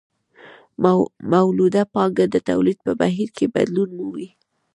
مولده پانګه د تولید په بهیر کې بدلون مومي